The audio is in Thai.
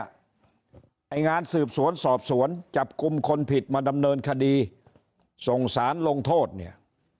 ไอ้งานสืบสวนสอบสวนจับกลุ่มคนผิดมาดำเนินคดีส่งสารลงโทษเนี่ย